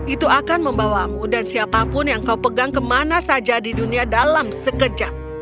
itu akan membawamu dan siapapun yang kau pegang kemana saja di dunia dalam sekejap